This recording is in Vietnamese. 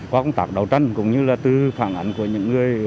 qua công tác đấu tranh cũng như là từ phản ánh của những người